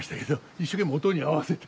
一生懸命音に合わせて。